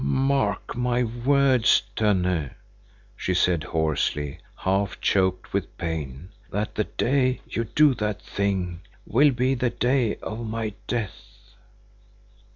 "Mark my words, Tönne," she said hoarsely, half choked with pain, "that the day you do that thing will be the day of my death."